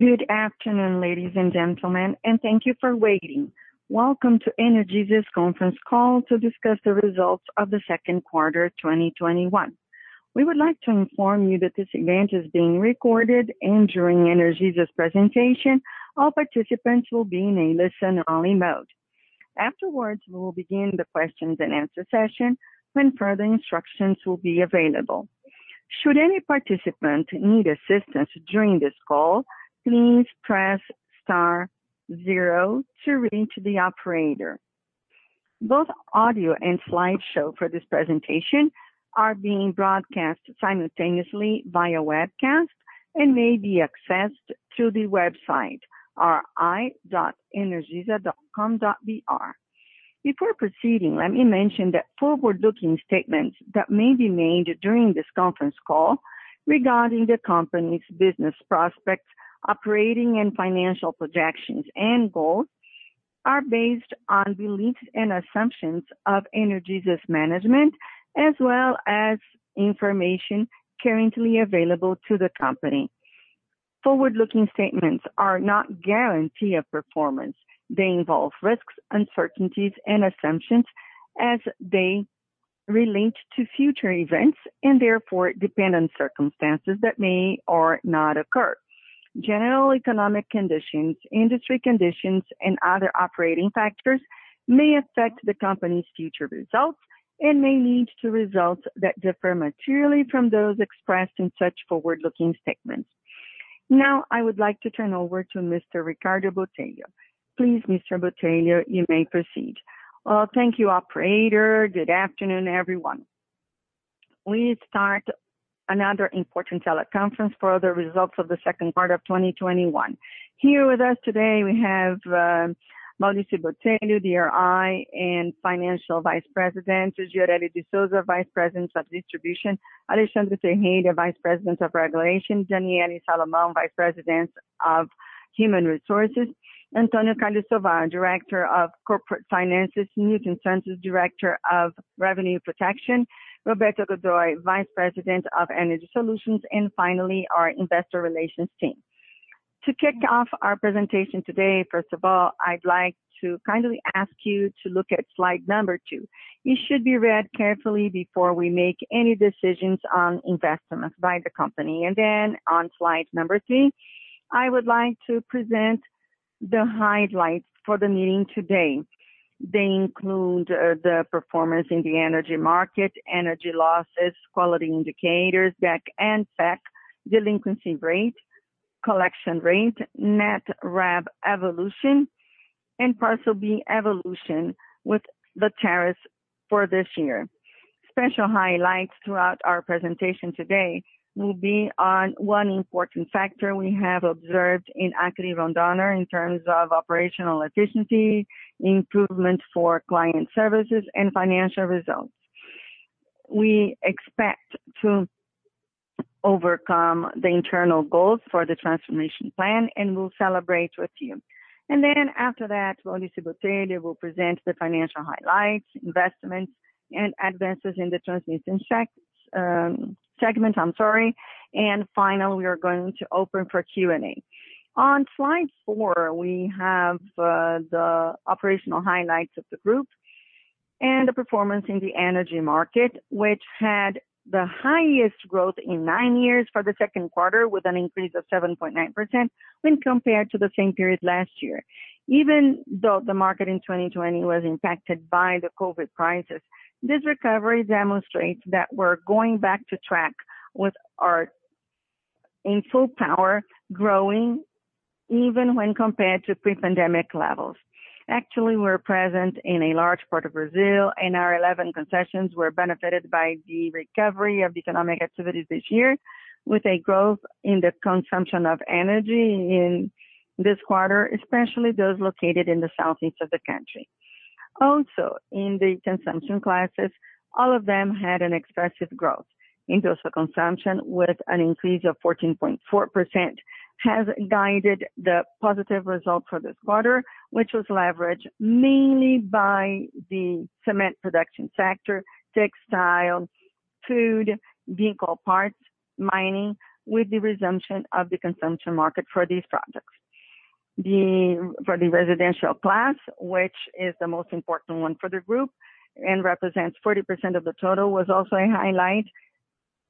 Good afternoon, ladies and gentlemen, and thank you for waiting. Welcome to Energisa's conference call to discuss the results of the second quarter 2021. We would like to inform you that this event is being recorded, and during Energisa's presentation, all participants will be in a listen-only mode. Afterwards, we will begin the questions and answer session when further instructions will be available. Should any participant need assistance during this call, please press star zero to reach the operator. Both audio and slideshow for this presentation are being broadcast simultaneously via webcast and may be accessed through the website, ri.energisa.com.br. Before proceeding, let me mention that forward-looking statements that may be made during this conference call regarding the company's business prospects, operating and financial projections, and goals are based on beliefs and assumptions of Energisa's management, as well as information currently available to the company. Forward-looking statements are not guarantee of performance. They involve risks, uncertainties, and assumptions as they relate to future events, and therefore depend on circumstances that may or not occur. General economic conditions, industry conditions, and other operating factors may affect the company's future results and may lead to results that differ materially from those expressed in such forward-looking statements. Now, I would like to turn over to Mr. Ricardo Botelho. Please, Mr. Botelho, you may proceed. Well, thank you, operator. Good afternoon, everyone. We start another important teleconference for the results of the second quarter of 2021. Here with us today we have Maurício Botelho, the RI and Financial Vice President, Gioreli de Sousa Filho, Vice President of Distribution, Alexandre Ferreira, Vice President of Regulation, Daniele Salomão, Vice President of Human Resources, Antonio Carlos Silva, Director of Corporate Finances, Newton Santos, Director of Revenue Protection, Roberta Godoi, Vice President of Energy Solutions, and finally, our investor relations team. To kick off our presentation today, first of all, I'd like to kindly ask you to look at slide two. It should be read carefully before we make any decisions on investments by the company. On slide three, I would like to present the highlights for the meeting today. They include the performance in the energy market, energy losses, quality indicators, DEC and FEC, delinquency rate, collection rate, net REV evolution, and Parcel B evolution with the tariffs for this year. Special highlights throughout our presentation today will be on one important factor we have observed in Acre and Rondônia in terms of operational efficiency, improvement for client services, and financial results. We expect to overcome the internal goals for the transformation plan, we'll celebrate with you. After that, Maurício Botelho will present the financial highlights, investments, and advances in the transmission segment. Finally, we are going to open for Q&A. On slide four, we have the operational highlights of the group and the performance in the energy market, which had the highest growth in nine years for the second quarter with an increase of 7.9% when compared to the same period last year. Even though the market in 2020 was impacted by the COVID crisis, this recovery demonstrates that we're going back to track with our in full power growing even when compared to pre-pandemic levels. Actually, we're present in a large part of Brazil, and our 11 concessions were benefited by the recovery of economic activities this year with a growth in the consumption of energy in this quarter, especially those located in the southeast of the country. Also, in the consumption classes, all of them had an expressive growth. Industrial consumption, with an increase of 14.4%, has guided the positive result for this quarter, which was leveraged mainly by the cement production sector, textile, food, vehicle parts, mining, with the resumption of the consumption market for these products. For the residential class, which is the most important one for the group and represents 40% of the total, was also a highlight,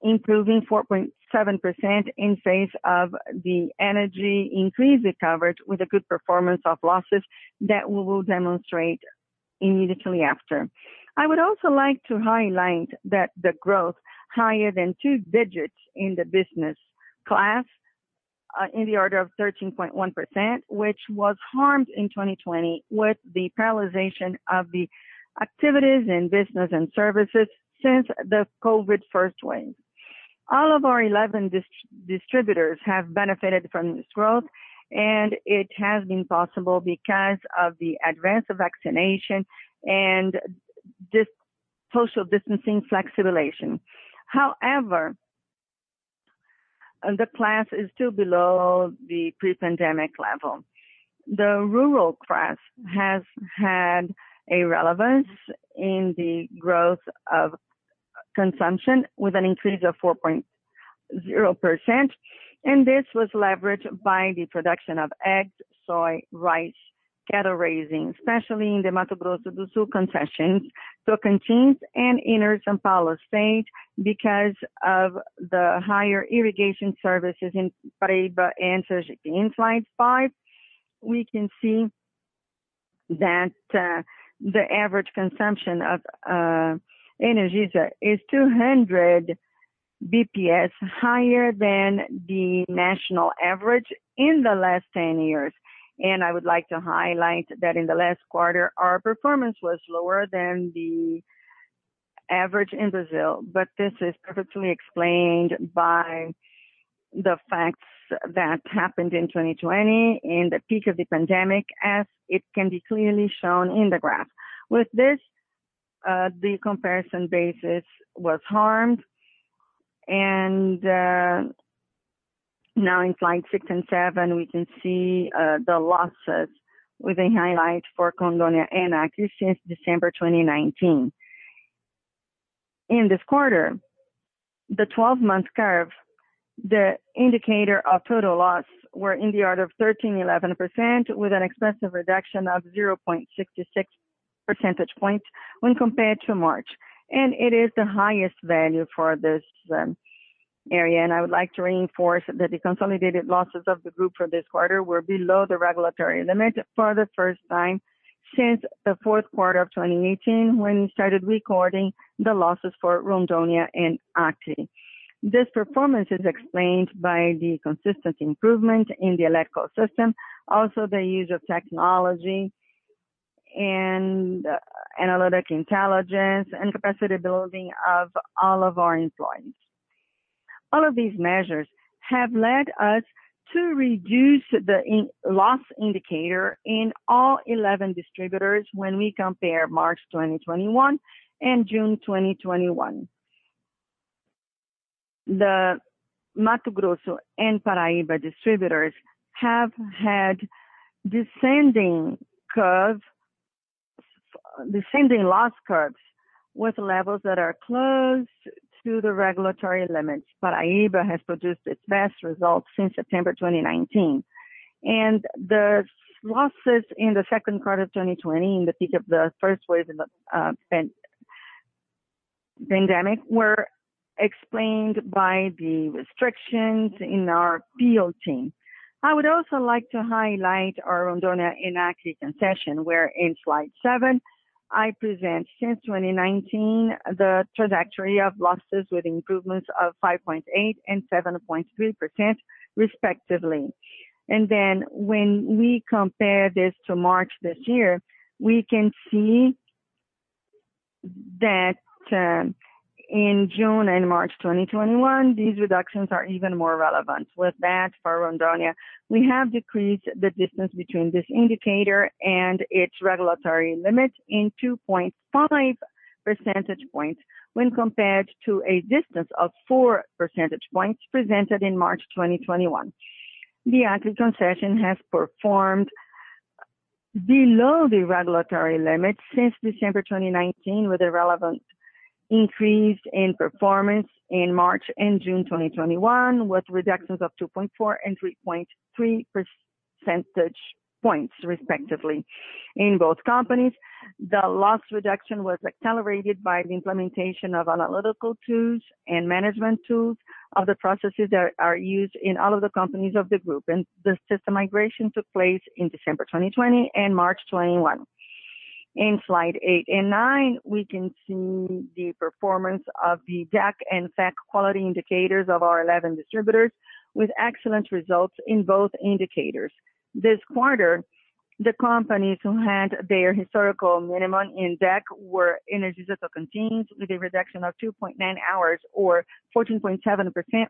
improving 4.7% in face of the energy increase recovered with a good performance of losses that we will demonstrate immediately after. I would also like to highlight that the growth higher than two digits in the business class, in the order of 13.1%, which was harmed in 2020 with the paralyzation of the activities and business and services since the COVID first wave. All of our 11 distributors have benefited from this growth, and it has been possible because of the advance of vaccination and social distancing flexibilization. However, the class is still below the pre-pandemic level. The rural class has had a relevance in the growth of our consumption with an increase of 4.0%. This was leveraged by the production of eggs, soy, rice, cattle raising, especially in the Mato Grosso do Sul concessions, Tocantins, and in São Paulo State because of the higher irrigation services in Paraíba and Sergipe. In slide five, we can see that the average consumption of Energisa is 200 basis points higher than the national average in the last 10 years. I would like to highlight that in the last quarter, our performance was lower than the average in Brazil. This is perfectly explained by the facts that happened in 2020 in the peak of the pandemic, as it can be clearly shown in the graph. With this, the comparison basis was harmed. Now in slide six and seven, we can see the losses with a highlight for Rondônia and Acre since December 2019. In this quarter, the 12-month curve, the indicator of total loss were in the order of 13.11% with an expressive reduction of 0.66 percentage points when compared to March. It is the highest value for this area. I would like to reinforce that the consolidated losses of the group for this quarter were below the regulatory limit for the first time since the fourth quarter of 2018, when we started recording the losses for Rondônia and Acre. This performance is explained by the consistent improvement in the electrical system, also the use of technology and analytic intelligence and capacity building of all of our employees. All of these measures have led us to reduce the loss indicator in all 11 distributors when we compare March 2021 and June 2021. The Mato Grosso and Paraíba distributors have had descending loss curves with levels that are close to the regulatory limits. Paraíba has produced its best results since September 2019. The losses in the second quarter of 2020, in the peak of the first wave of the pandemic, were explained by the restrictions in our field team. I would also like to highlight our Rondônia and Acre concession, where in slide seven, I present since 2019, the trajectory of losses with improvements of 5.8% and 7.3% respectively. When we compare this to March this year, we can see that in June and March 2021, these reductions are even more relevant. For Rondônia, we have decreased the distance between this indicator and its regulatory limit in 2.5 percentage points when compared to a distance of 4 percentage points presented in March 2021. The Acre concession has performed below the regulatory limit since December 2019, with a relevant increase in performance in March and June 2021, with reductions of 2.4 and 3.3 percentage points, respectively. In both companies, the loss reduction was accelerated by the implementation of analytical tools and management tools of the processes that are used in all of the companies of the group, and the system migration took place in December 2020 and March 2021. In slide eight and nine, we can see the performance of the DEC and FEC quality indicators of our 11 distributors with excellent results in both indicators. This quarter, the companies who had their historical minimum in DEC were Energisa Tocantins with a reduction of 2.9 hours or 14.7%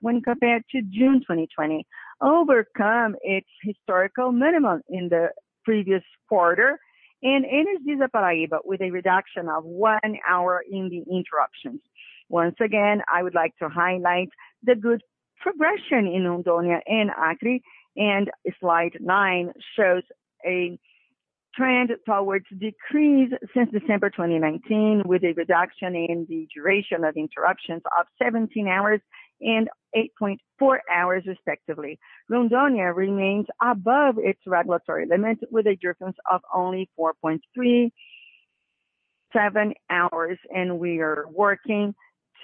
when compared to June 2020, overcome its historical minimum in the previous quarter, and Energisa Paraíba with a reduction of one hour in the interruptions. Once again, I would like to highlight the good progression in Rondônia and Acre, slide 9 shows a trend towards decrease since December 2019 with a reduction in the duration of interruptions of 17 hours and 8.4 hours, respectively. Rondônia remains above its regulatory limit with a difference of only 4.37 hours, and we are working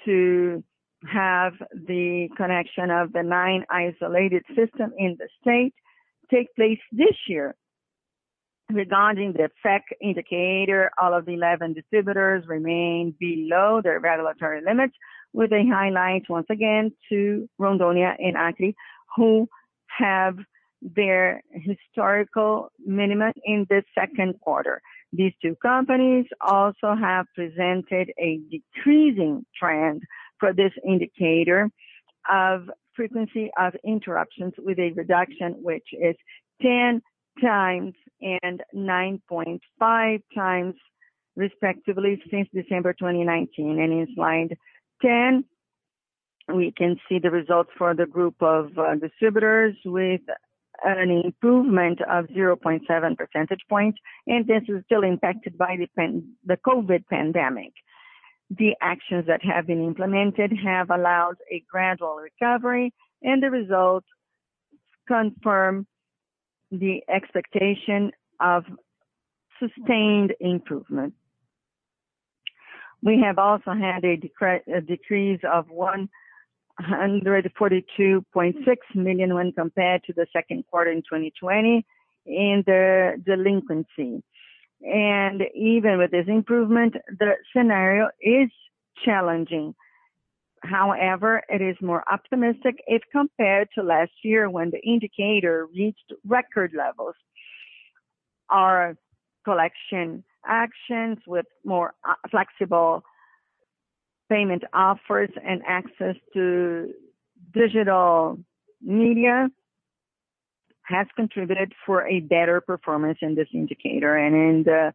to have the connection of the nine isolated system in the state take place this year. Regarding the FEC indicator, all of the 11 distributors remain below their regulatory limits, with a highlight once again to Rondônia and Acre, who have their historical minimum in the second quarter. These two companies also have presented a decreasing trend for this indicator of frequency of interruptions with a reduction, which is 10 times and 9.5 times, respectively, since December 2019. In slide 10, we can see the results for the group of distributors with an improvement of 0.7 percentage points, and this is still impacted by the COVID pandemic. The actions that have been implemented have allowed a gradual recovery, and the results confirm the expectation of sustained improvement. We have also had a decrease of 142.6 million when compared to the second quarter in 2020 in the delinquency. Even with this improvement, the scenario is challenging. It is more optimistic if compared to last year when the indicator reached record levels. Our collection actions with more flexible payment offers and access to digital media has contributed for a better performance in this indicator. In the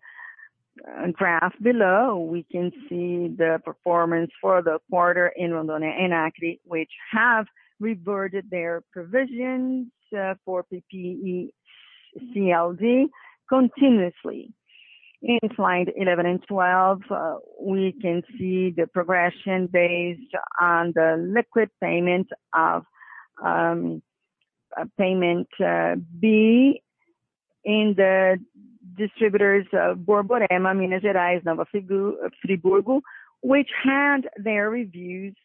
graph below, we can see the performance for the quarter in Rondônia and Acre, which have reverted their provisions for PECLD continuously. In slide 11 and 12, we can see the progression based on the liquid payment of Parcel B in the distributors of Borborema, Minas Gerais, Nova Friburgo, which had their reviews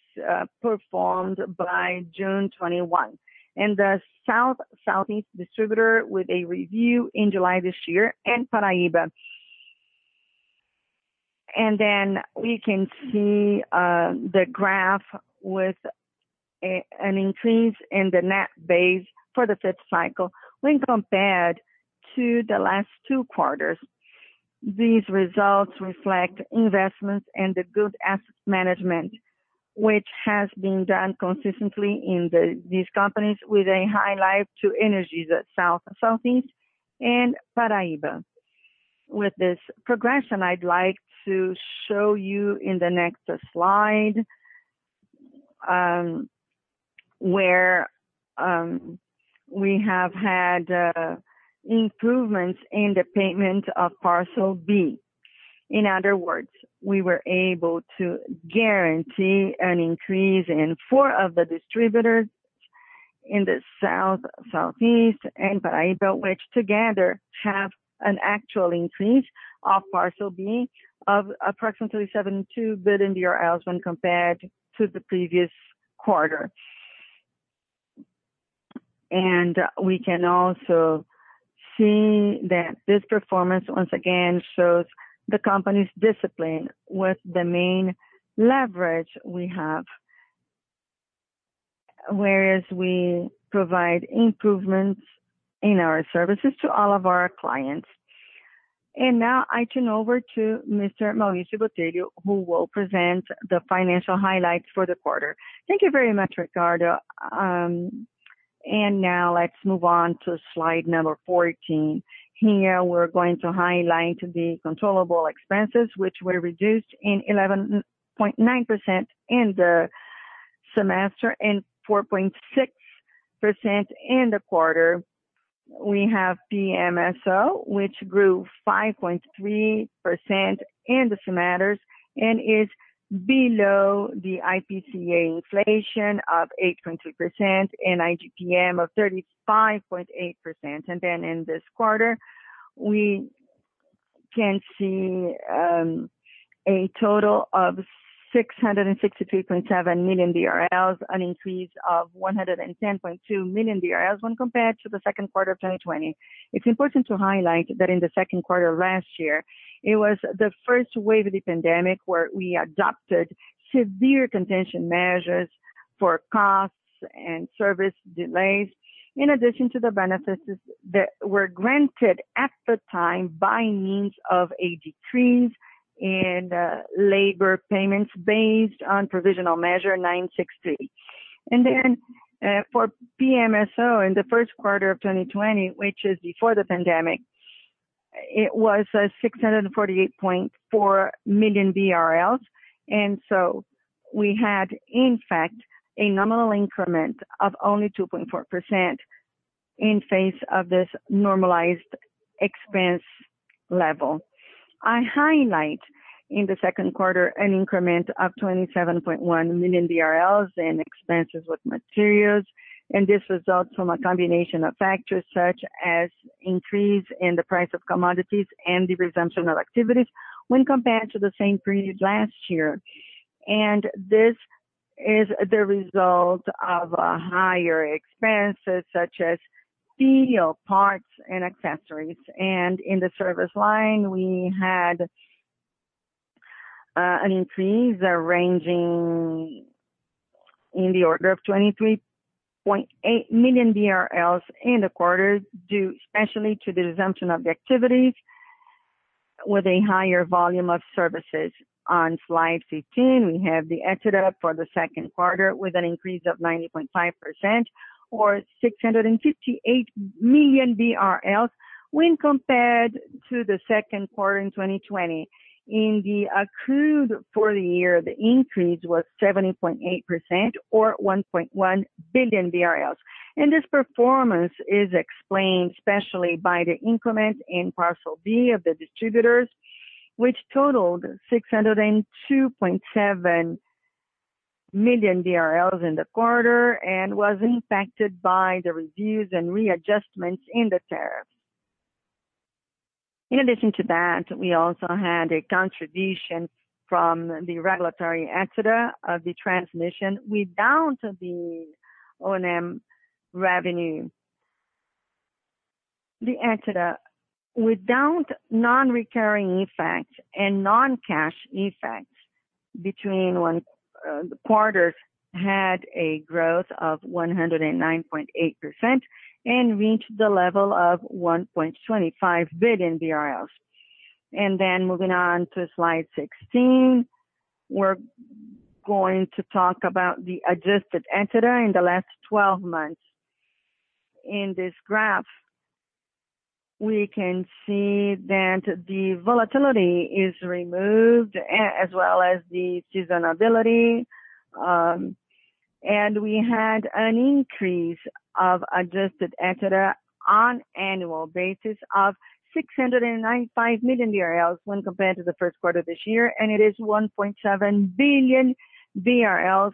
performed by June 2021. The Energisa Sul-Sudeste distributor with a review in July this year and Energisa Paraíba. We can see the graph with an increase in the net base for the fifth cycle when compared to the last two quarters. These results reflect investments and the good asset management, which has been done consistently in these companies with a highlight to Energisa Sul-Sudeste and Paraíba. With this progression, I'd like to show you in the next slide, where we have had improvements in the payment of Parcel B. In other words, we were able to guarantee an increase in 4 of the distributors in the Sul-Sudeste and Paraíba, which together have an actual increase of Parcel B of approximately 72 billion when compared to the previous quarter. We can also see that this performance, once again, shows the company's discipline with the main leverage we have, whereas we provide improvements in our services to all of our clients. Now I turn over to Mr. Maurício Botelho, who will present the financial highlights for the quarter. Thank you very much, Ricardo. Now let's move on to slide number 14. Here we're going to highlight the controllable expenses, which were reduced in 11.9% in the semester and 4.6% in the quarter. We have PMSO, which grew 5.3% in the semester and is below the IPCA inflation of 8.2% and IGPM of 35.8%. In this quarter, we can see a total of 663.7 million BRL, an increase of 110.2 million BRL when compared to the second quarter of 2020. It's important to highlight that in the second quarter of last year, it was the first wave of the pandemic where we adopted severe contention measures for costs and service delays, in addition to the benefits that were granted at the time by means of a decrease in labor payments based on Provisional Measure 936. For PMSO in the first quarter of 2020, which is before the pandemic, it was 648.4 million BRL. We had, in fact, a nominal increment of only 2.4% in face of this normalized expense level. I highlight in the second quarter an increment of 27.1 million BRL in expenses with materials, this results from a combination of factors such as increase in the price of commodities and the resumption of activities when compared to the same period last year. This is the result of higher expenses such as steel, parts, and accessories. In the service line, we had an increase ranging in the order of 23.8 million BRL in the quarter, due especially to the resumption of the activities with a higher volume of services. On slide 15, we have the EBITDA for the second quarter with an increase of 90.5%, or 658 million BRL when compared to the second quarter in 2020. In the accrued for the year, the increase was 70.8%, or 1.1 billion BRL. This performance is explained especially by the increment in Parcel B of the distributors, which totaled 602.7 million in the quarter and was impacted by the reviews and readjustments in the tariff. In addition to that, we also had a contribution from the regulatory EBITDA of the transmission without the O&M revenue. The EBITDA, without non-recurring effects and non-cash effects between quarters, had a growth of 109.8% and reached the level of 1.25 billion BRL. Then moving on to slide 16, we're going to talk about the adjusted EBITDA in the last 12 months. In this graph, we can see that the volatility is removed as well as the seasonality. We had an increase of adjusted EBITDA on annual basis of 695 million when compared to the first quarter of this year, and it is 1.7 billion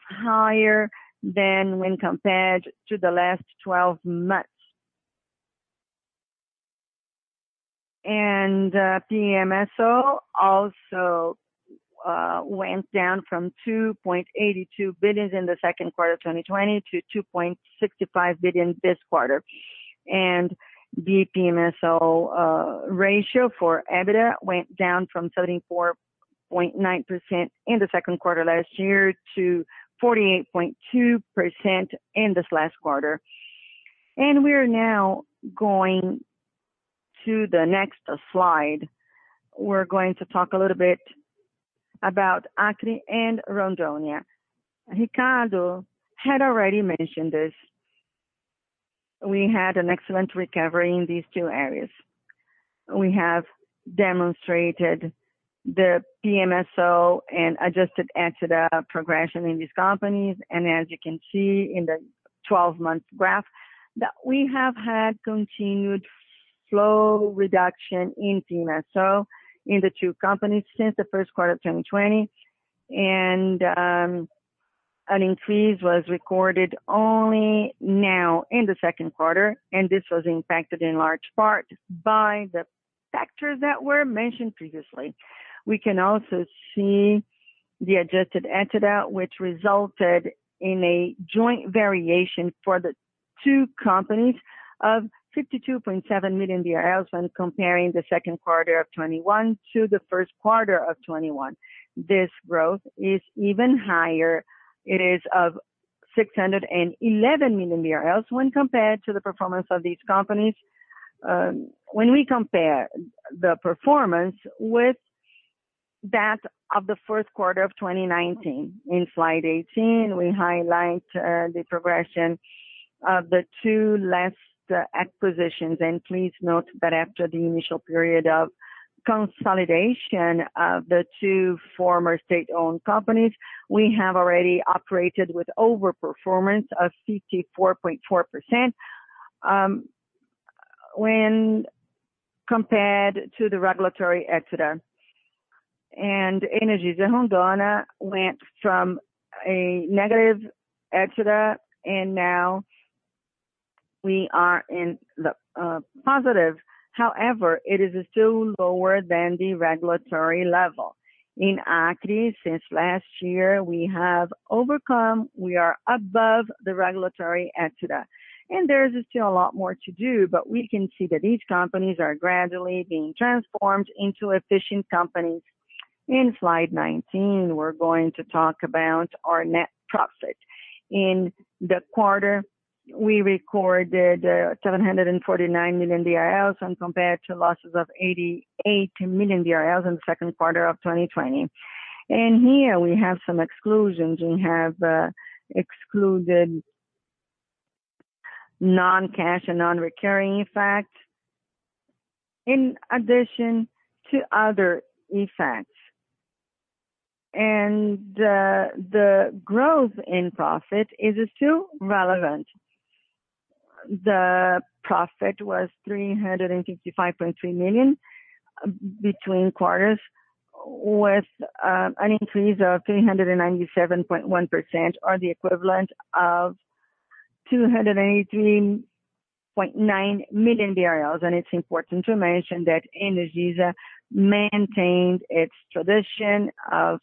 higher than when compared to the last 12 months. PMSO also went down from 2.82 billion in the second quarter of 2020 to 2.65 billion this quarter. The PMSO ratio for EBITDA went down from 34.9% in the second quarter last year to 48.2% in this last quarter. We're now going to the next slide. We're going to talk a little bit about Acre and Rondônia. Ricardo had already mentioned this. We had an excellent recovery in these two areas. We have demonstrated the PMSO and adjusted EBITDA progression in these companies, and as you can see in the 12 months graph, that we have had continued slow reduction in PMSO in the two companies since the first quarter of 2020, and an increase was recorded only now in the second quarter, and this was impacted in large part by the factors that were mentioned previously. We can also see the adjusted EBITDA, which resulted in a joint variation for the two companies of 52.7 million BRL when comparing the second quarter of 2021 to the first quarter of 2021. This growth is even higher. It is of 611 million BRL when compared to the performance of these companies, when we compare the performance with that of the first quarter of 2019. In slide 18, we highlight the progression of the two last acquisitions. Please note that after the initial period of consolidation of the two former state-owned companies, we have already operated with overperformance of 54.4% when compared to the regulatory EBITDA. Energisa Rondônia went from a negative EBITDA, and now we are in the positive. However, it is still lower than the regulatory level. In Acre, since last year, we have overcome, we are above the regulatory EBITDA. There is still a lot more to do, but we can see that these companies are gradually being transformed into efficient companies. In slide 19, we're going to talk about our net profit. In the quarter, we recorded 749 million when compared to losses of 88 million in the second quarter of 2020. Here we have some exclusions. We have excluded non-cash and non-recurring effects in addition to other effects. The growth in profit is still relevant. The profit was 355.3 million between quarters, with an increase of 397.1%, or the equivalent of 218.9 million. It's important to mention that Energisa maintained its tradition of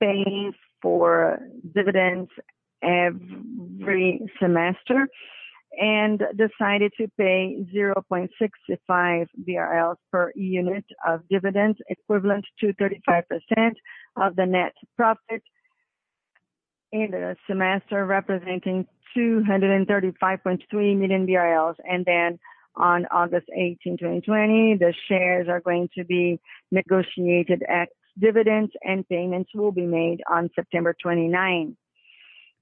paying for dividends every semester and decided to pay 0.65 BRL per unit of dividends, equivalent to 35% of the net profit. In the semester representing 235.3 million BRL, on August 18, 2020, the shares are going to be negotiated ex-dividend, and payments will be made on September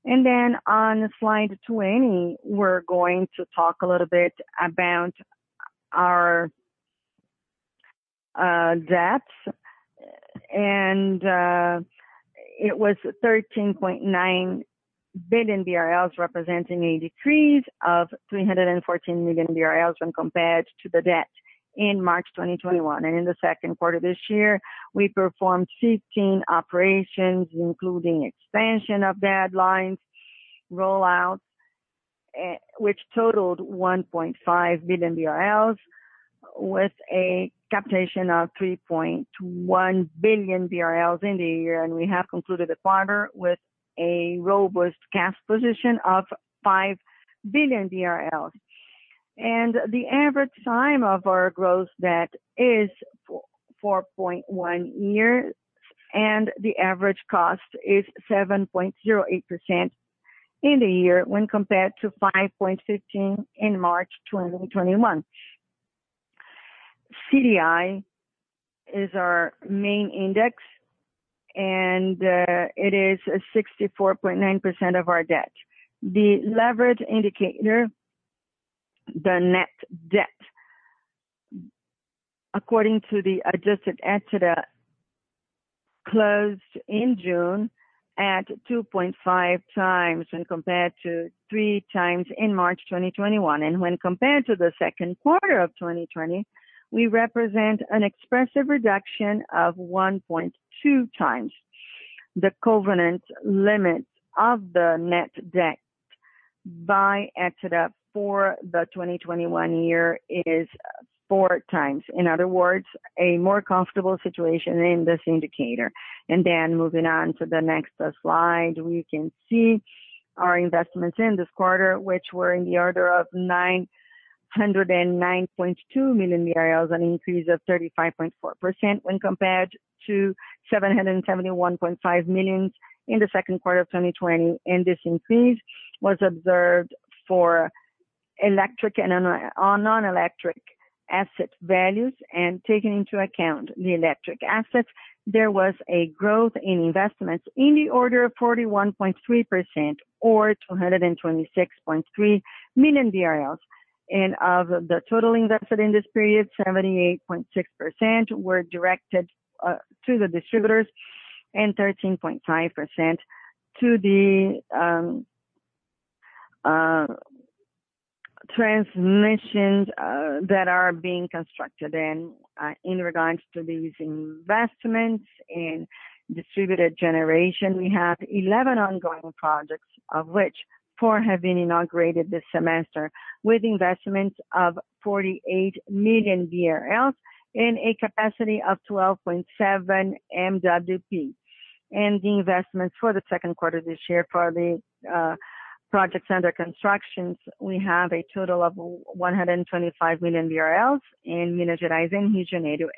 29th. On slide 20, we're going to talk a little bit about our debt. It was 13.9 billion BRL, representing a decrease of 314 million BRL when compared to the debt in March 2021. In the second quarter this year, we performed 15 operations, including expansion of deadlines, roll-outs, which totaled 1.5 billion BRL, with a capitalization of 3.1 billion BRL in the year. We have concluded the quarter with a robust cash position of 5 billion BRL. The average time of our gross debt is 4.1 years, and the average cost is 7.08% in the year when compared to 5.15% in March 2021. CDI is our main index, and it is 64.9% of our debt. The leverage indicator, the net debt, according to the adjusted EBITDA, closed in June at 2.5x when compared to 3x in March 2021. When compared to the second quarter of 2020, we represent an expressive reduction of 1.2x. The covenant limits of the net debt by EBITDA for the 2021 year is 4x. In other words, a more comfortable situation in this indicator. Moving on to the next slide, we can see our investments in this quarter, which were in the order of 909.2 million BRL, an increase of 35.4% when compared to 771.5 million in the second quarter of 2020. This increase was observed for electric and on non-electric asset values. Taking into account the electric assets, there was a growth in investments in the order of 41.3% or 226.3 million BRL. Of the total invested in this period, 78.6% were directed to the distributors and 13.5% to the transmissions that are being constructed. In regards to these investments in distributed generation, we have 11 ongoing projects, of which four have been inaugurated this semester, with investments of 48 million BRL in a capacity of 12.7 MWp. The investments for the second quarter this year for the projects under constructions, we have a total of 125 million BRL in Minas Gerais and Rio de Janeiro.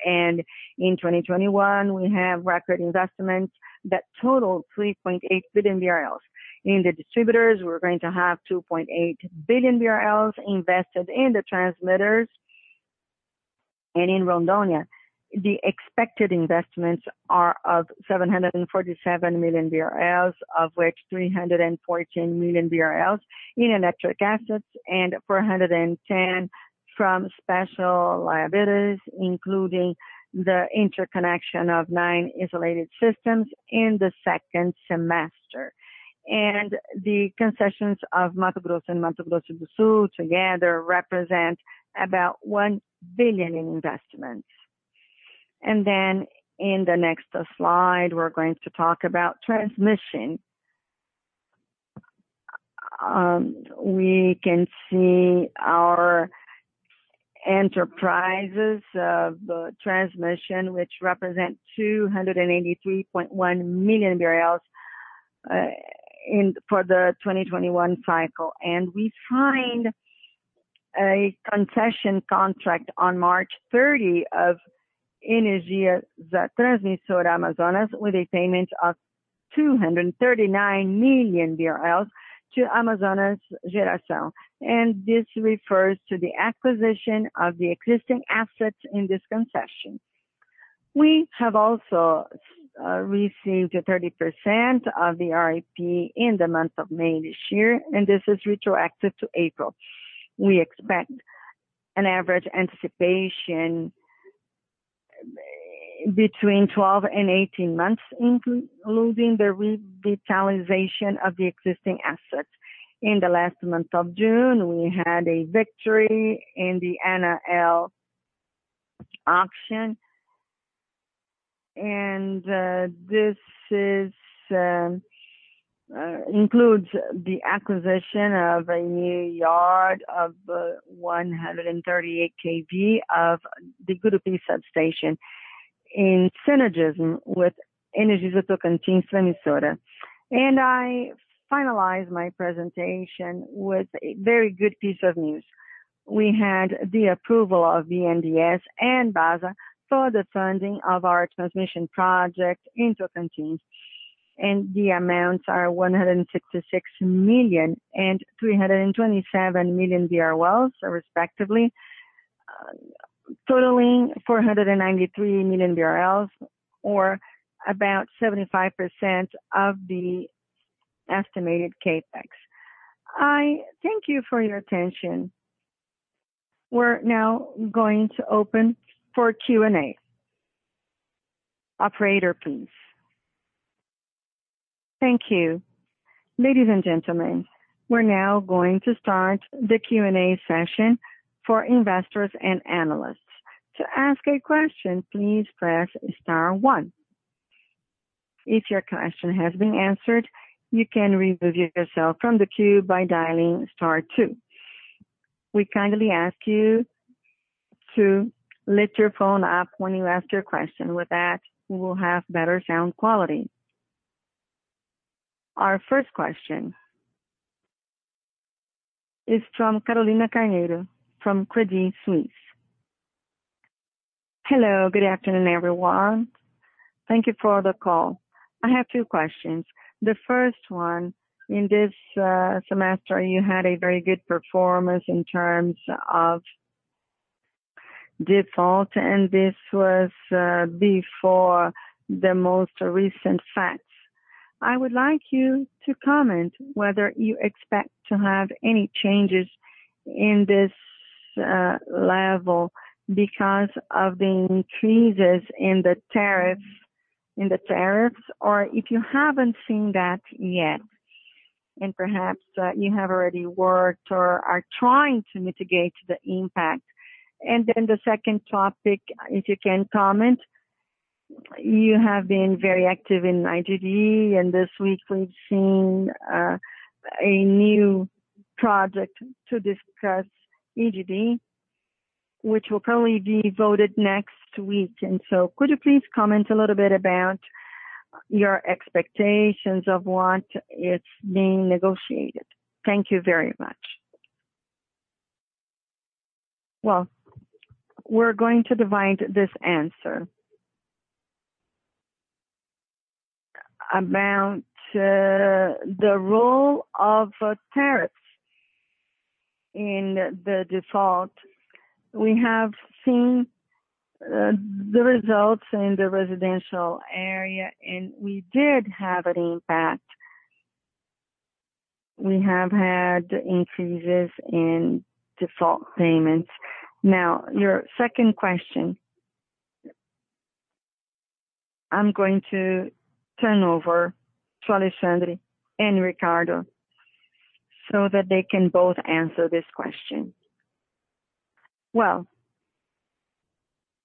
In 2021, we have record investments that total 3.8 billion BRL. In the distributors, we're going to have 2.8 billion BRL invested in the transmitters. In Rondônia, the expected investments are of 747 million BRL, of which 314 million BRL in electric assets and 410 from special liabilities, including the interconnection of nine isolated systems in the second semester. The concessions of Mato Grosso and Mato Grosso do Sul together represent about 1 billion in investments. In the next slide, we're going to talk about transmission. We can see our enterprises of transmission, which represent 283.1 million for the 2021 cycle. We signed a concession contract on March 30 of Energia de Transmissão do Amazonas with a payment of 239 million BRL to Amazonas Geração. This refers to the acquisition of the existing assets in this concession. We have also received a 30% of the RAP in the month of May this year, and this is retroactive to April. We expect an average anticipation between 12 and 18 months, including the revitalization of the existing assets. In the last month of June, we had a victory in the ANEEL auction. This includes the acquisition of a new yard of 138 kV of the Gurupi substation in synergism with Energisa Tocantins Transmissora. I finalize my presentation with a very good piece of news. We had the approval of BNDES and BASA for the funding of our transmission project Interligação Continental, and the amounts are 166 million and 327 million respectively, totaling 493 million BRL or about 75% of the estimated CapEx. I thank you for your attention. We are now going to open for Q&A. Operator, please. Thank you. Ladies and gentlemen, we are now going to start the Q&A session for investors and analysts. To ask a question, please press star one. If your question has been answered, you can remove yourself from the queue by dialing star two. We kindly ask you to lift your phone up when you ask your question. With that, we will have better sound quality. Our first question is from Carolina Carneiro from Credit Suisse. Hello, good afternoon, everyone. Thank you for the call. I have two questions. The first one, in this semester, you had a very good performance in terms of default, and this was before the most recent facts. I would like you to comment whether you expect to have any changes in this level because of the increases in the tariffs, or if you haven't seen that yet, and perhaps you have already worked or are trying to mitigate the impact. The second topic, if you can comment, you have been very active in GD, and this week we've seen a new project to discuss GD, which will probably be voted next week. Could you please comment a little bit about your expectations of what is being negotiated? Thank you very much. We're going to divide this answer. About the role of tariffs in the default. We have seen the results in the residential area, and we did have an impact. We have had increases in default payments. Your second question. I'm going to turn over to Alexandre and Ricardo so that they can both answer this question. Well,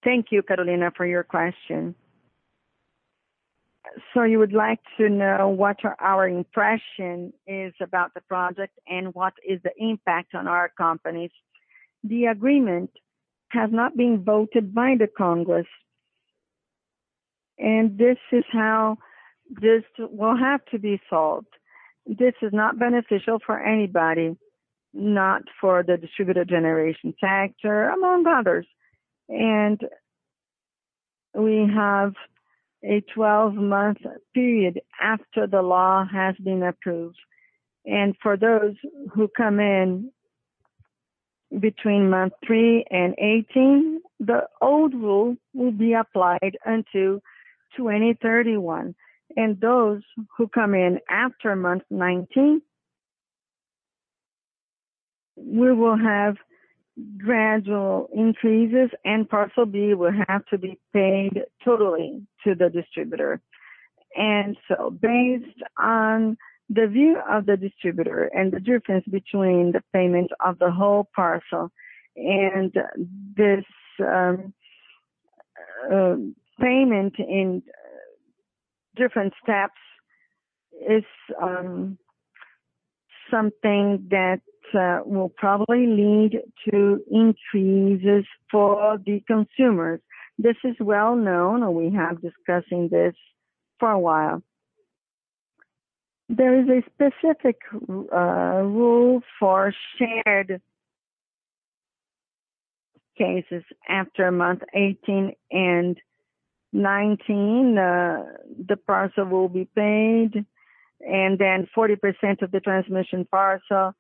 thank you, Carolina, for your question. You would like to know what our impression is about the project and what is the impact on our companies. The agreement has not been voted by the Congress, and this is how this will have to be solved. This is not beneficial for anybody, not for the distributed generation sector, among others. We have a 12-month period after the law has been approved. For those who come in between month three and 18, the old rule will be applied until 2031. Those who come in after month 19, we will have gradual increases, and Parcel B will have to be paid totally to the distributor. Based on the view of the distributor and the difference between the payment of the whole parcel and this payment in different steps is something that will probably lead to increases for the consumers. This is well known, and we have discussing this for a while. There is a specific rule for shared cases after month 18 and 19. The parcel will be paid, and then 40% of the transmission parcel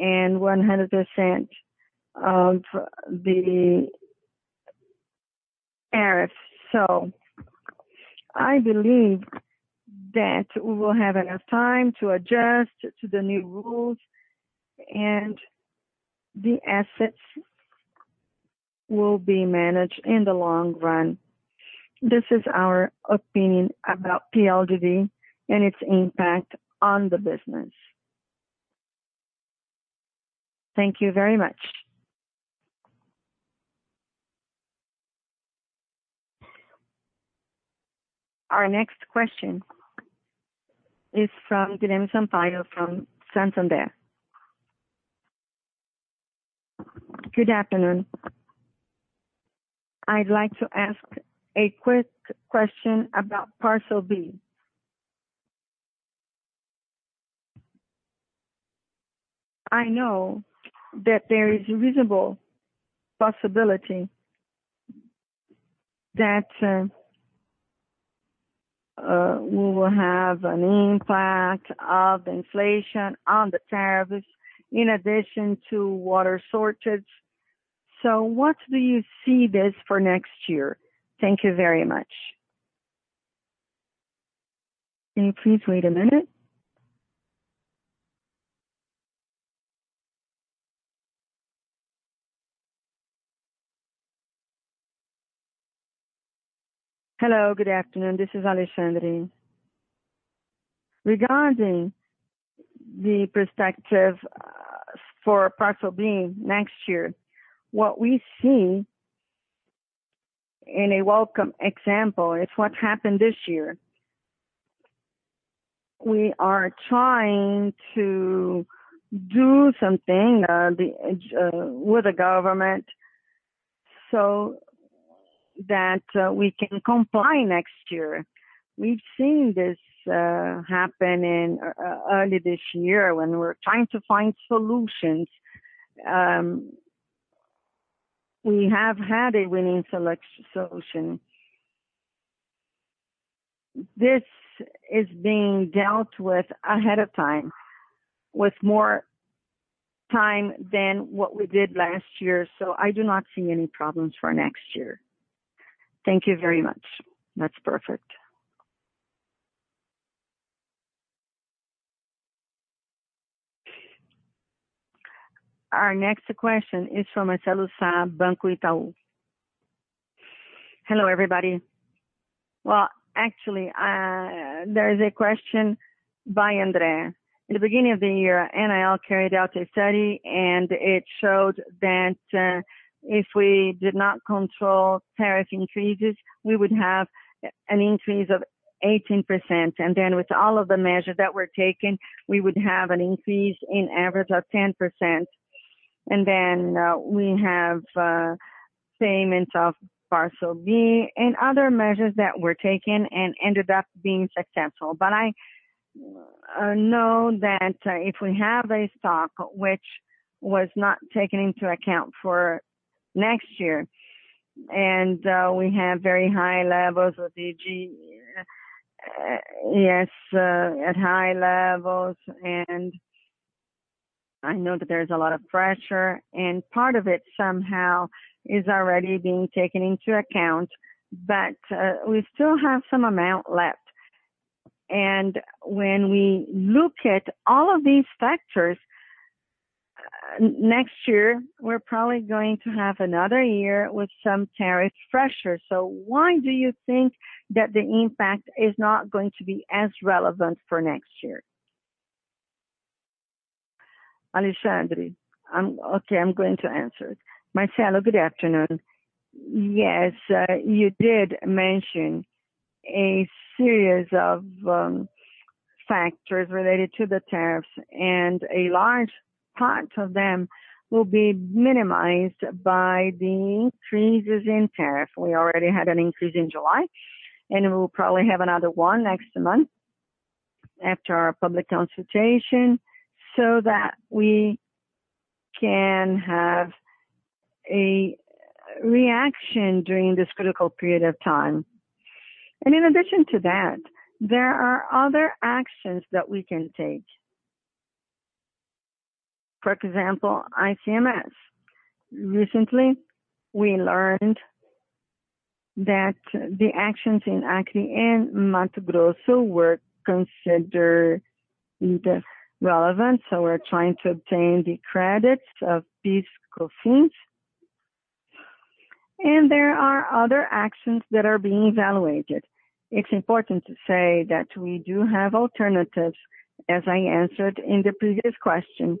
and 100% of the tariff. I believe that we will have enough time to adjust to the new rules, and the assets will be managed in the long run. This is our opinion about PL da GD and its impact on the business. Thank you very much. Our next question is from Guilherme Sampaio from Santander. Good afternoon. I'd like to ask a quick question about Parcel B. I know that there is a reasonable possibility that we will have an impact of inflation on the tariffs in addition to water shortage. What do you see this for next year? Thank you very much. Can you please wait a minute? Hello, good afternoon. This is Alexandre. Regarding the perspective for Parcel B next year, what we see in a welcome example is what happened this year. We are trying to do something with the government so that we can comply next year. We've seen this happen early this year when we're trying to find solutions. We have had a winning solution. This is being dealt with ahead of time, with more time than what we did last year, I do not see any problems for next year. Thank you very much. That's perfect. Our next question is from Marcelo Sá, Banco Itaú. Hello, everybody. Well, actually, there is a question by ANEEL. In the beginning of the year, ANEEL carried out a study and it showed that if we did not control tariff increases, we would have an increase of 18%. With all of the measures that were taken, we would have an increase in average of 10%. We have payments of Parcel B and other measures that were taken and ended up being successful. I know that if we have a stock, which was not taken into account for next year, and we have very high levels of IG, yes, at high levels. I know that there's a lot of pressure, and part of it somehow is already being taken into account, but we still have some amount left. When we look at all of these factors, next year, we're probably going to have another year with some tariff pressure. Why do you think that the impact is not going to be as relevant for next year? Alexandre. I'm going to answer it. Marcelo, good afternoon. You did mention a series of factors related to the tariffs, and a large part of them will be minimized by the increases in tariff. We already had an increase in July. We will probably have another one next month after our public consultation, so that we can have a reaction during this critical period of time. In addition to that, there are other actions that we can take. For example, ICMS. Recently, we learned that the actions in Acre and Mato Grosso were considered relevant, so we're trying to obtain the credits of these COFINS. There are other actions that are being evaluated. It's important to say that we do have alternatives, as I answered in the previous question.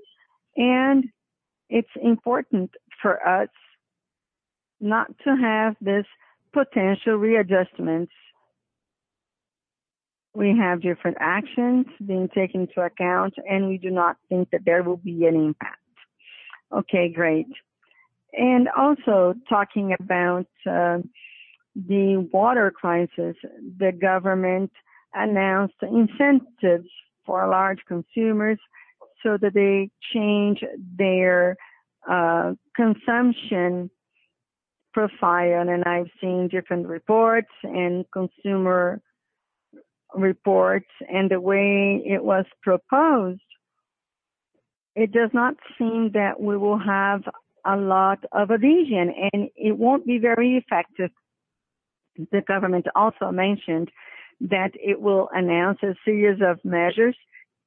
It's important for us not to have these potential readjustments. We have different actions being taken into account. We do not think that there will be an impact. Okay, great. Also talking about the water crisis, the government announced incentives for large consumers so that they change their consumption profile. I've seen different reports and consumer reports and the way it was proposed, it does not seem that we will have a lot of adhesion, and it won't be very effective. The government also mentioned that it will announce a series of measures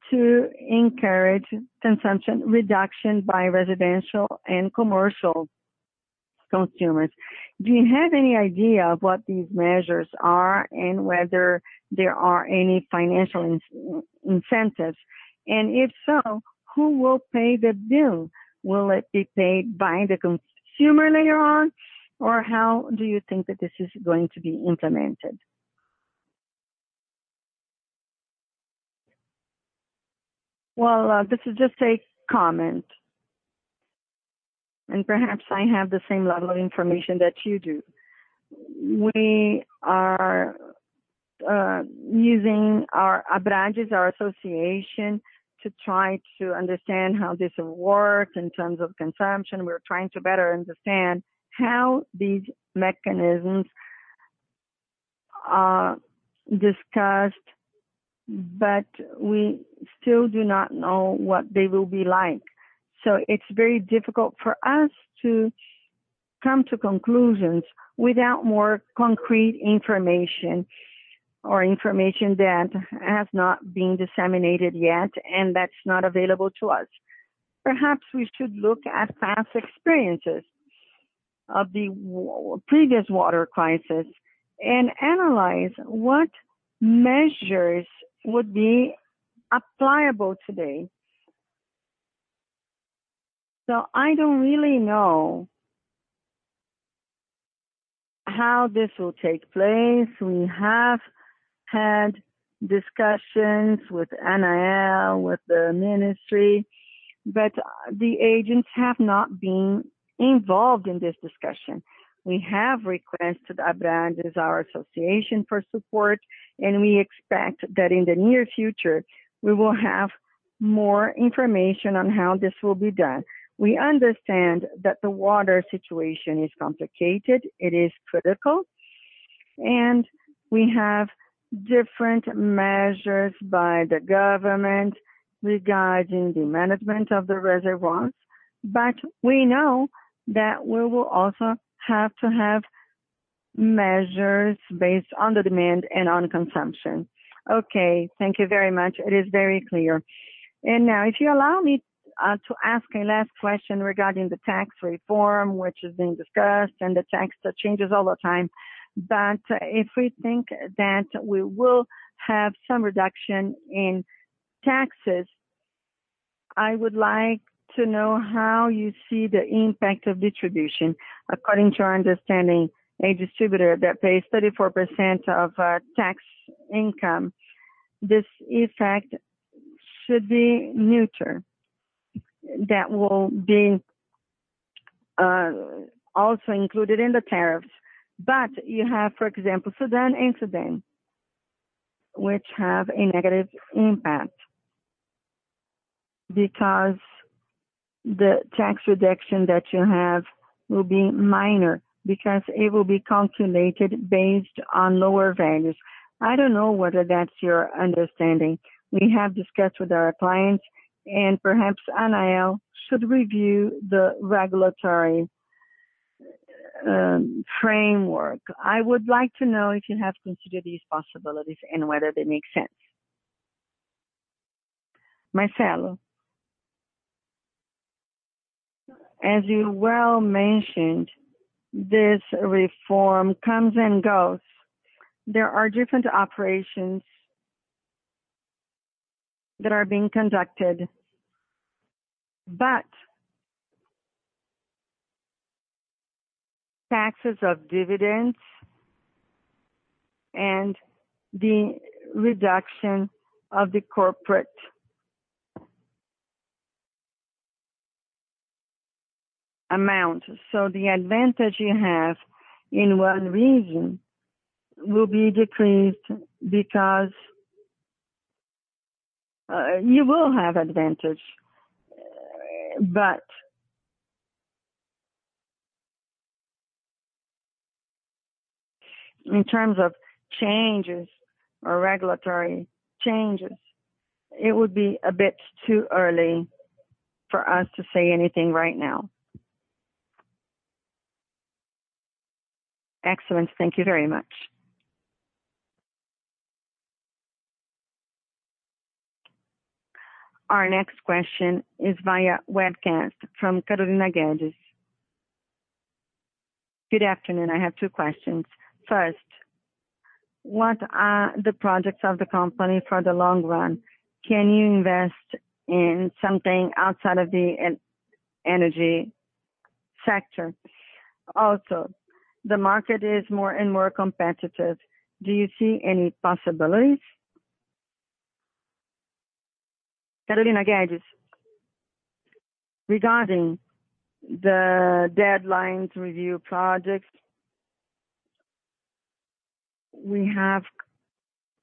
to encourage consumption reduction by residential and commercial consumers. Do you have any idea of what these measures are and whether there are any financial incentives? If so, who will pay the bill? Will it be paid by the consumer later on? How do you think that this is going to be implemented? Well, this is just a comment. Perhaps I have the same level of information that you do. We are using our branches, our association, to try to understand how this will work in terms of consumption. We're trying to better understand how these mechanisms are discussed. We still do not know what they will be like. It's very difficult for us to come to conclusions without more concrete information or information that has not been disseminated yet and that's not available to us. Perhaps we should look at past experiences of the previous water crisis and analyze what measures would be applicable today. I don't really know how this will take place. We have had discussions with ANEEL, with the ministry. The agents have not been involved in this discussion. We have requested our branches, our association for support. We expect that in the near future, we will have more information on how this will be done. We understand that the water situation is complicated, it is critical, and we have different measures by the government regarding the management of the reservoirs. We know that we will also have to have measures based on the demand and on consumption. Okay. Thank you very much. It is very clear. Now, if you allow me to ask a last question regarding the tax reform, which is being discussed and the tax changes all the time. If we think that we will have some reduction in taxes, I would like to know how you see the impact of distribution. According to our understanding, a distributor that pays 34% of tax income, this effect should be neutral. That will be also included in the tariffs. You have, for example, SUDENE, which have a negative impact because the tax reduction that you have will be minor because it will be calculated based on lower values. I don't know whether that's your understanding. We have discussed with our clients, and perhaps ANEEL should review the regulatory framework. I would like to know if you have considered these possibilities and whether they make sense. Marcelo. As you well mentioned, this reform comes and goes. There are different operations that are being conducted, taxes of dividends and the reduction of the corporate amount. The advantage you have in one region will be decreased because you will have advantage, but in terms of changes or regulatory changes, it would be a bit too early for us to say anything right now. Excellent. Thank you very much. Our next question is via webcast from Carolina Gades. Good afternoon. I have two questions. First, what are the projects of the company for the long run? Can you invest in something outside of the energy sector? The market is more and more competitive. Do you see any possibilities? Carolina Gades. Regarding the deadlines review projects, we have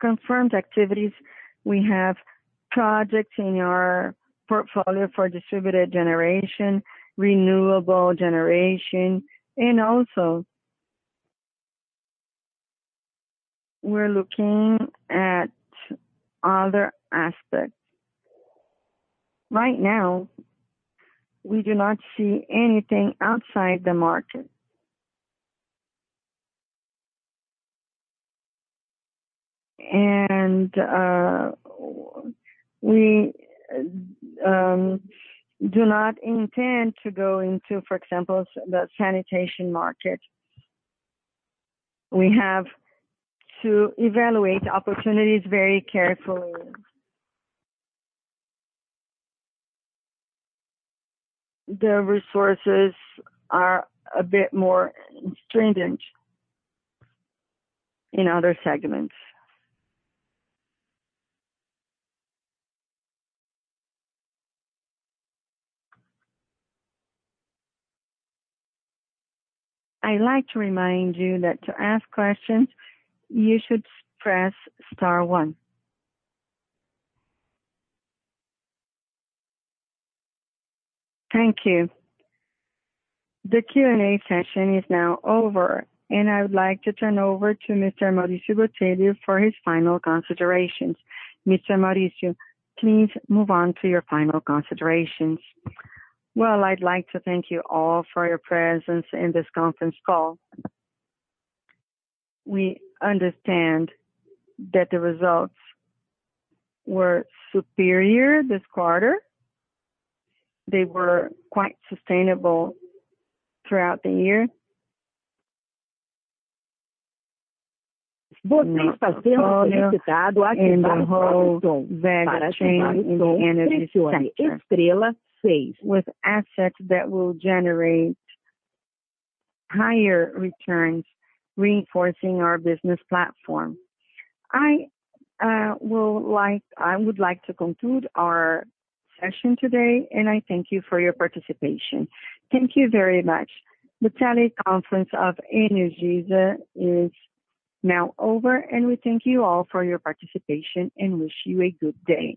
confirmed activities. We have projects in our portfolio for distributed generation, renewable generation, and also we're looking at other aspects. Right now, we do not see anything outside the market. We do not intend to go into, for example, the sanitation market. We have to evaluate opportunities very carefully. The resources are a bit more stringent in other segments. The Q&A session is now over, and I would like to turn over to Mr. Maurício Botelho for his final considerations. Mr. Maurício, please move on to your final considerations. Well, I'd like to thank you all for your presence in this conference call. We understand that the results were superior this quarter. They were quite sustainable throughout the year. In the whole value chain in the energy sector, with assets that will generate higher returns, reinforcing our business platform. I would like to conclude our session today, and I thank you for your participation. Thank you very much. The teleconference of Energisa is now over, and we thank you all for your participation and wish you a good day.